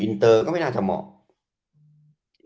อินเตอร์ก็ไม่น่าจะเหมาะมีความรู้สึก